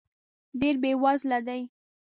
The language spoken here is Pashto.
ډېر بې وزله دی .